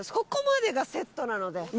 ここまでがセットなので。